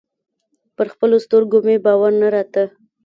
پر خپلو سترګو مې باور نه راته.